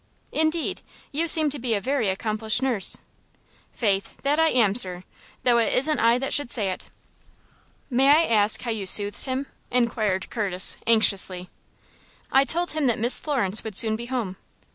"Indeed! You seem to be a very accomplished nurse." "Faith, that I am, sir, though it isn't I that should say it." "May I ask how you soothed him?" inquired Curtis, anxiously. "I told him that Miss Florence would soon be home."